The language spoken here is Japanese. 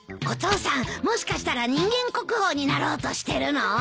お父さんもしかしたら人間国宝になろうとしてるの？